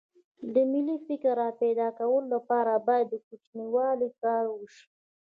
د ملي فکر راپیدا کولو لپاره باید له کوچنیوالي کار وشي